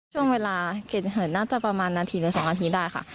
ช่วงเวลาเกิดเหตุน่าจะประมาณนาทีหรือ๒นาทีได้ค่ะ